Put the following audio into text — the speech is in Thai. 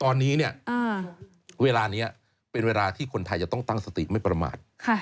ตอนนี้เนี่ยเวลานี้เป็นเวลาที่คนไทยจะต้องตั้งสติไม่ประมาท